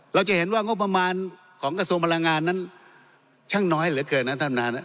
เราจะเห็นว่างบประมาณของกระทรวงพลังงานนั้นช่างน้อยเหลือเกินนะท่านประธาน